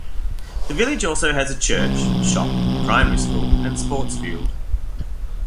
The village also has a church, shop, primary school, and sports field.